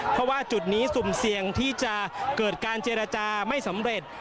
เพราะว่าจุดนี้สุ่มเสี่ยงที่จะเกิดการเจรจาไม่สำเร็จ